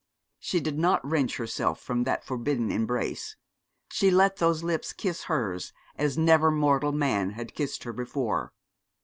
She did not wrench herself from that forbidden embrace. She let those lips kiss hers as never mortal man had kissed her before.